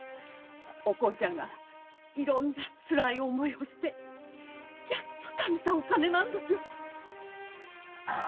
お幸ちゃんがいろんなつらい思いをしてやっとためたお金なんだよ。